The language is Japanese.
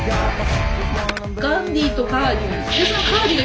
ガンディとカーディー。